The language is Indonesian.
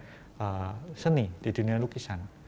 itu sangat mirip dengan apa yang terjadi di dunia seni di dunia lukisan